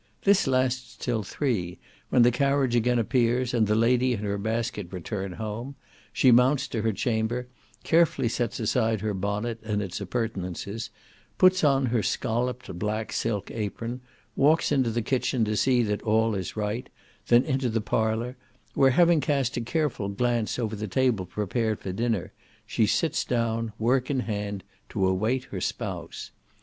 This lasts till three, when the carriage again appears, and the lady and her basket return home; she mounts to her chamber, carefully sets aside her bonnet and its appurtenances, puts on her scolloped black silk apron, walks into the kitchen to see that all is right, then into the parlour, where, having cast a careful glance over the table prepared for dinner, she sits down, work in hand, to await her spouse.